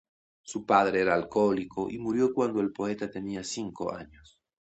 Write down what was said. Su padre era alcohólico y murió cuando el poeta tenía cinco años.